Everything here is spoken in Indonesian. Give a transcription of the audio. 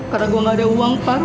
karena gue gak ada uang pak